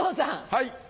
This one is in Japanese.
はい。